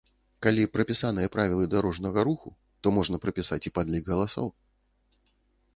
Калі прапісаныя правілы дарожнага руху, то можна прапісаць і падлік галасоў.